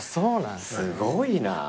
すごいなぁ。